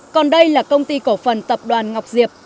còn đây là công ty cổ phần tập đoàn ngọc diệp